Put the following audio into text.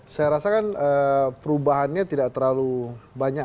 saya rasakan perubahannya tidak terlalu banyak